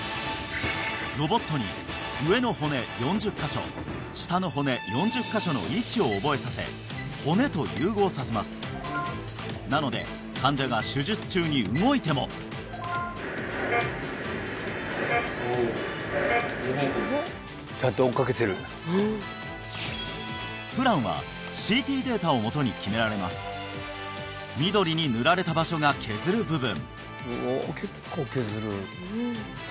ロボットに上の骨４０カ所下の骨４０カ所の位置を覚えさせ骨と融合させますなので患者が手術中に動いても・おおちゃんと追っかけてるプランはＣＴデータをもとに決められます緑に塗られた場所が削る部分